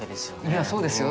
いやそうですよ。